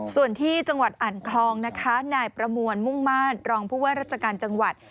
ส่วนที่จังหวัดอันคองนายประมวลมุ่งมารรองพุว่าราชการจังหวัด